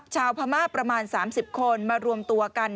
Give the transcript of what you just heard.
ชาวพม่าประมาณ๓๐คนมารวมตัวกัน